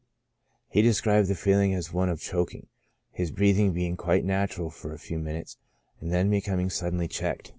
He described the feeling as one of choking, his breathing being quite natural for a few minutes, and then becoming suddenly checked.